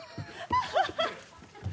ハハハ